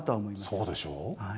そうでしょう。